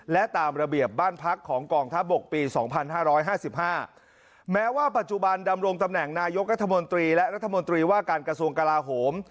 และตามระเบียบบ้านพักของกองทัพบกปี๒๕๕๕แม้ว่าปัจจุบันดำรงตำแหน่งนายกรัฐมนตรีและรัฐมนตรีว่าการกระทรวงกลาโหม